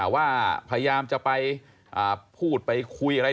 ว่าพยายามจะไปพูดไปคุยอะไร